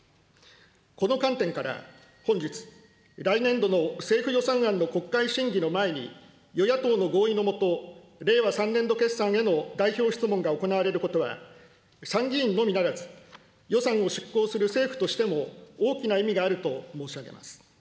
この観点から、本日、来年度の政府予算案の国会審議の前に、与野党の合意のもと、令和３年度決算への代表質問が行われることは、参議院のみならず、予算を執行する政府としても大きな意味があると申し上げます。